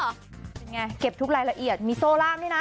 เป็นไงเก็บทุกรายละเอียดมีโซ่ล่ามด้วยนะ